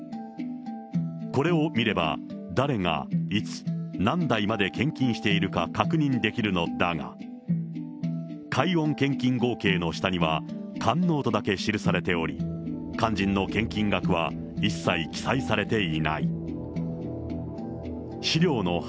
これを見れば、誰が、いつ、何代まで献金しているか、確認できるのだが、解怨献金合計の下には完納とだけ記されており、肝心の献金額は一切記載されていない。